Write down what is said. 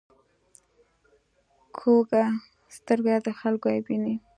کوږه سترګه د خلکو عیب ویني